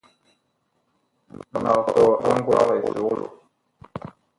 Mag tɔɔ a ngwaag esukulu.